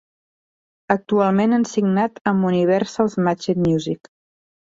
Actualment han signat amb Universal's Matxet Music.